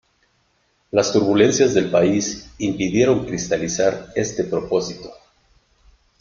Las turbulencias del País impidieron cristalizar este propósito.